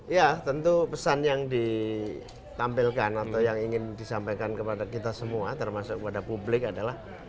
ya tentu pesan yang ditampilkan atau yang ingin disampaikan kepada kita semua termasuk kepada publik adalah